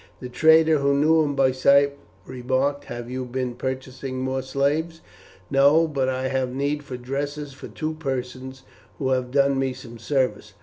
The trader, who knew him by sight, remarked, "Have you been purchasing more slaves?" "No, but I have need for dresses for two persons who have done me some service."